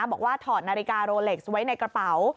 บอกว่าถอดนาฬิกาโรเล็กซ์ไว้ในกระเป๋า